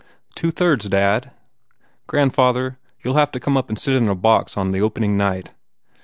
"Two thirds, dad. Grandfather, you ll have to come up and sit in a box the opening night."